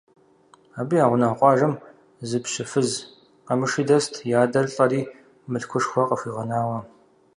Абы я гъунэгъу къуажэм зы пщы фыз къэмыши дэст, и адэр лӀэри мылъкушхуэ къыхуигъэнауэ.